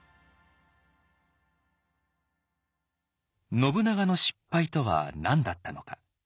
信長の失敗とは何だったのか。